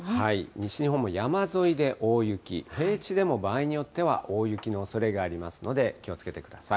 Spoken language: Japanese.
西日本も山沿いで大雪、平地でも場合によっては大雪のおそれがありますので気をつけてください。